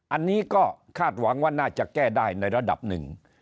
อันนี้ก็คาดหวังว่าน่าจะแก้ได้ในระดับหนึ่ง